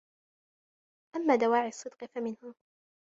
أَمَّا دَوَاعِي الصِّدْقِ فَمِنْهَا